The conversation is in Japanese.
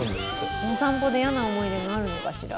お散歩で嫌な思い出があるのかしら？